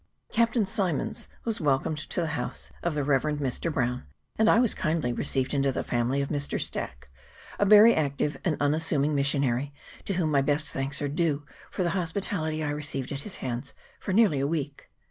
Captain Symonds was welcomed to the house of the Rev. Mr. Brown, and I was kindly received into the family of Mr. Stack, a very active and unassuming missionary, to whom my best thanks are due for the hospitality I received at his hands for nearly a week.